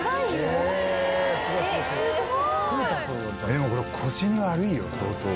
「でもこれ腰に悪いよ相当」